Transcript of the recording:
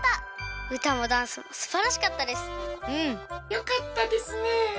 よかったですね。